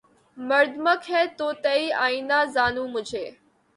مردمک ہے طوطئِ آئینۂ زانو مجھے